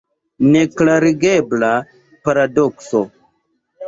Neklarigebla paradokso!